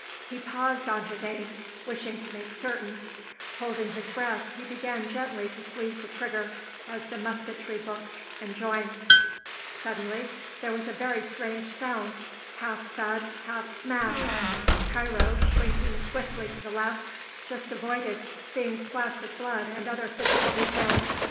He paused long on his aim, wishing to make certain; holding his breath he began gently to squeeze the trigger, as the musketry books enjoin. Suddenly there was a very strange sound, half thud, half smash. Tiro, shrinking swiftly to the left, just avoided being splashed with blood and other physical details.